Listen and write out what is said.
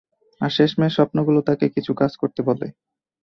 আর শেষমেষ, স্বপগুলো তাকে কিছু কাজ করতে বলে।